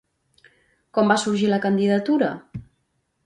Com va sorgir la candidatura?